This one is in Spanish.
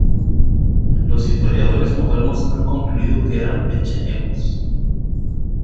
Los historiadores modernos han concluido que eran pechenegos.